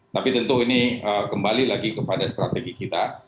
tapi tentu ini kembali lagi kepada strategi kita